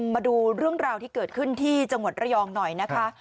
มาดูเรื่องราวที่เกิดขึ้นที่จังหวัดระยองหน่อยนะคะ